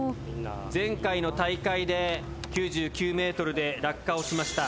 前回の大会で９９ｍで落下をしました。